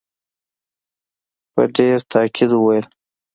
په ډېر تاءکید وویل.